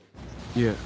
いえ。